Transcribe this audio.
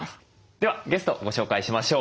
ではゲストご紹介しましょう。